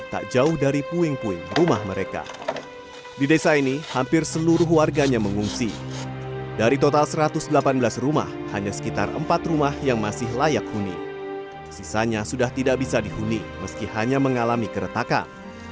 tidak bisa dihuni meski hanya mengalami keretakan